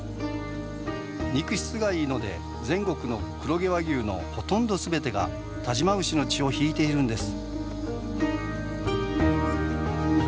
肉質がいいので全国の黒毛和牛のほとんど全てが但馬牛の血を引いているんです。